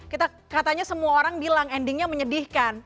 kita katanya semua orang bilang endingnya menyedihkan